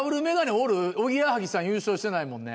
おぎやはぎさん、優勝してないもんね。